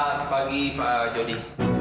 selamat pagi pak jodi